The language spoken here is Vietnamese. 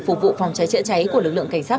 phục vụ phòng cháy chữa cháy của lực lượng cảnh sát